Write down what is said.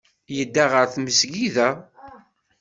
Yedda ɣer tmesgida.